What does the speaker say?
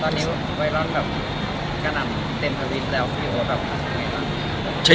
วัยร้อนกระดับเต็มสวิทย์แล้วเป็นยังไงบ้าง